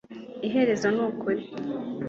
iherezo ni ukuri